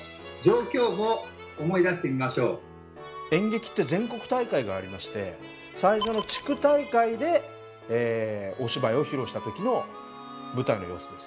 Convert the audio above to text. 演劇って全国大会がありまして最初の地区大会でお芝居を披露した時の舞台の様子です。